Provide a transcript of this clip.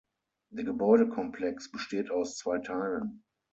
Der Gebäudekomplex besteht aus zwei Teilen.